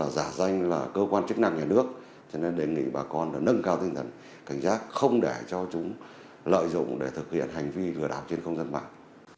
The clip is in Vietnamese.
giả danh là cơ quan chức năng nhà nước cho nên đề nghị bà con nâng cao tinh thần cảnh giác không để cho chúng lợi dụng để thực hiện hành vi lừa đảo trên không gian mạng